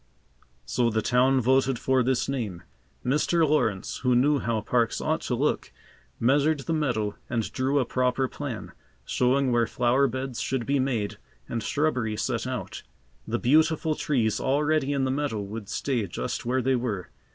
So the town voted for this name. Mr. Lawrence, who knew how parks ought to look, measured the meadow and drew a proper plan, showing where flower beds should be made and shrubbery set out. The beautiful trees already in the meadow would stay just where they were.